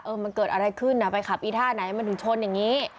มันเกิดอะไรขึ้นน่ะไปขับอีท่าไหนมันถึงชนอย่างนี้